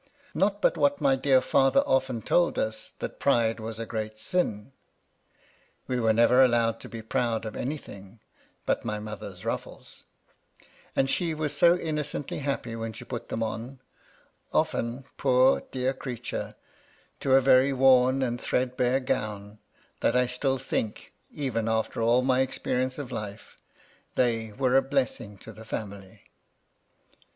Not but what my dear father often told us that pride was a great sin ; we were never allowed to be proud of any thing but my mother's ruffles : and she was so inno cently happy when she put them on, — often, poor dear MY LADY LUDLOW. 15 creature, to a very worn and thread bare gown, — that I still thhik, even after all my experience of life, they were a blessing to the family.